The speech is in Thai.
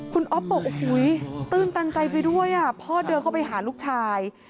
คุณอ๊อฟบอกโอ้โหตื้นตันใจไปด้วยพ่อเดินเข้าไปหาลูกชาย